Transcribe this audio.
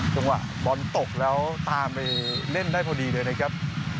จังหวะบอลตกแล้วตามไปเล่นได้พอดีเลยนะครับ